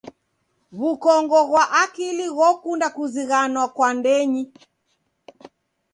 W'ukongo ghwa akili ghokunda kuzighanwa kwa ndenyi.